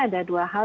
ada dua hal